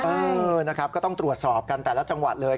เออนะครับก็ต้องตรวจสอบกันแต่ละจังหวัดเลย